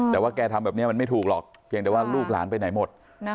แต่ว่าแกทำแบบนี้มันไม่ถูกหรอกเพียงแต่ว่าลูกหลานไปไหนหมด